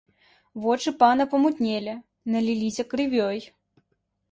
Вочы пана памутнелі, наліліся крывёй.